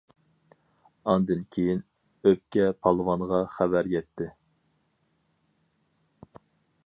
ئاندىن كېيىن، ئۆپكە پالۋانغا خەۋەر يەتتى.